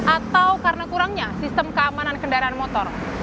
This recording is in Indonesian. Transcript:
atau karena kurangnya sistem keamanan kendaraan motor